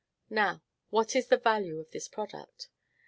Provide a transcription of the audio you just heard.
Now, what is the value of this product?